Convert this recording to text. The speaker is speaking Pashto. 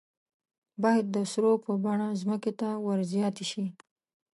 باید د سرو په بڼه ځمکې ته ور زیاتې شي.